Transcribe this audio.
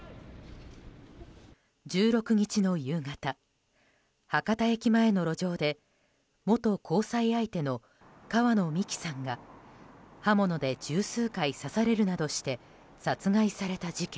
１６日の夕方博多駅前の路上で元交際相手の川野美樹さんが刃物で十数回刺されるなどして殺害された事件。